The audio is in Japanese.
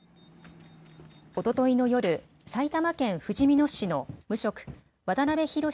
おとといの夜、埼玉県ふじみ野市の無職、渡邊宏